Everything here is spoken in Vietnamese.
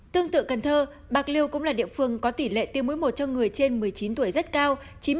tương tự cần thơ bạc liêu cũng là địa phương có tỷ lệ tiêm mũi một cho người trên một mươi chín tuổi rất cao